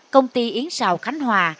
công ty yến rào khánh hòa